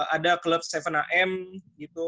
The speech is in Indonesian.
ada klub seven am gitu